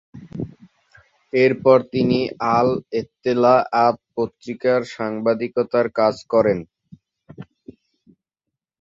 এরপর তিনি আল-এত্তেলা'আত পত্রিকার সাংবাদিকতার কাজ করেন।